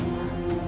di bawah air terjun